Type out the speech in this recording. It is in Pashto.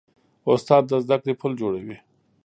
استاد د زدهکړې پل جوړوي.